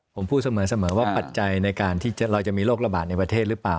ผมพูดเสมอว่าปัจจัยในการที่เราจะมีโรคระบาดในประเทศหรือเปล่า